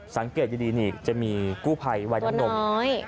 สังเกตยังดีจะมีกู้ไพรวัยน้อง